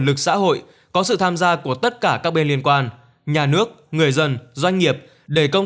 lực xã hội có sự tham gia của tất cả các bên liên quan nhà nước người dân doanh nghiệp để công